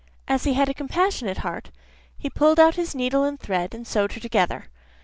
As he had a compassionate heart he pulled out his needle and thread, and sewed her together.